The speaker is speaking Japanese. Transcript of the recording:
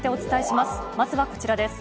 まずはこちらです。